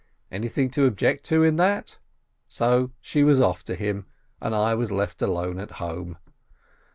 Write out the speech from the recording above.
Anything to object to in that? So she was off to him, and I was left alone at home.